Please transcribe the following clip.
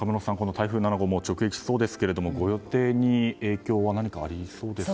台風７号が直撃しそうですがご予定に影響は何かありますか？